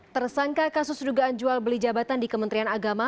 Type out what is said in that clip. tersangka kasus dugaan jual beli jabatan di kementerian agama